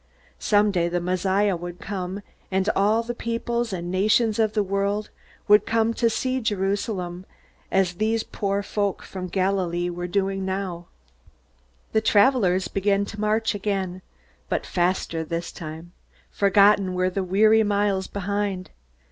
Someday the Messiah would come, and all the peoples and nations of the world would come to see Jerusalem, as these poor folk from Galilee were doing now. The travelers began to march again, but faster this time; forgotten were the weary miles behind.